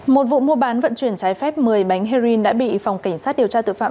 một vụ mua bán vận chuyển trái phép một mươi bánh heroin đã bị phòng cảnh sát điều tra tội phạm